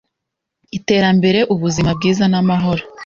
iterambere, ubuzima bwiza n’amahoro,